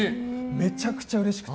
めちゃくちゃうれしくて。